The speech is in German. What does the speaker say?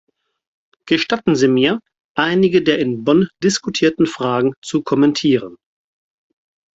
Gestatten Sie mir, einige der in Bonn diskutierten Fragen zu kommentieren.